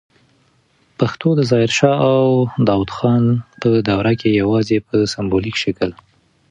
پښتو د ظاهر شاه او داود خان په دوروکي یواځې په سمبولیک شکل